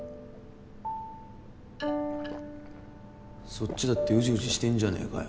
そっちだってウジウジしてんじゃねえかよ